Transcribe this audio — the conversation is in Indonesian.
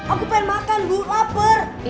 aku pengen makan bu lapar